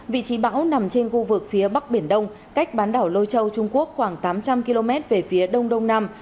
vị trí bão nằm trên khu vực phía bắc biển đông cách bán đảo lôi châu trung quốc khoảng tám trăm linh km về phía đông đông nam